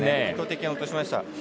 意図的に落としました。